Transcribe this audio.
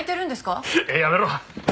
やめろ！